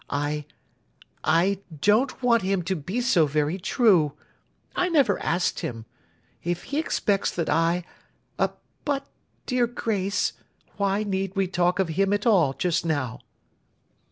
I—I don't want him to be so very true. I never asked him. If he expects that I— But, dear Grace, why need we talk of him at all, just now!